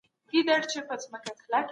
د ذمي خونديتوب د دولت وجيبه ده.